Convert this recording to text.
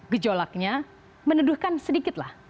gejolaknya menuduhkan sedikit lah